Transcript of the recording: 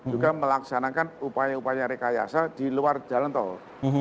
juga melaksanakan upaya upaya rekayasa di luar jalan tol